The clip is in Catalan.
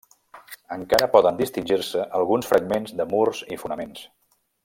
Encara poden distingir-se alguns fragments de murs i fonaments.